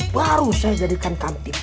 baru saya jadikan kantin